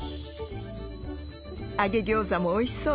揚げギョーザもおいしそう。